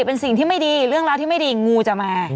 เป็นสิ่งที่ไม่ดีเรื่องราวที่ไม่ดีงูจะมา